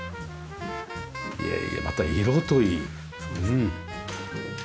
いやいやまた色といいうん素敵。